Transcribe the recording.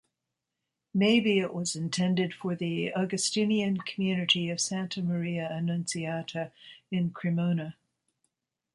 Maybe it was intended for the Augustinian Community of Santa Maria Annunziata in Cremona.